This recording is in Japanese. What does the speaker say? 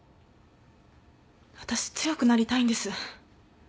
私強くなりたいんです。